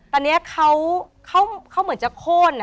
ตอนนี้เขาเหมือนจะโค้น